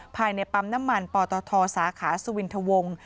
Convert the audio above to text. ภายในปั๊มน้ำมันปตทสาขาสุวินทวงศ์